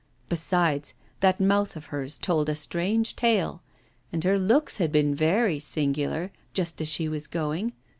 Besides, that mouth of hers told a strange tale, and her looks had been very singular just as she was going.